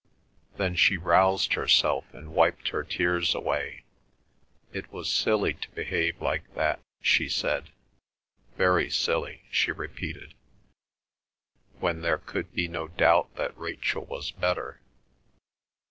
Then she roused herself and wiped her tears away; it was silly to behave like that, she said; very silly, she repeated, when there could be no doubt that Rachel was better.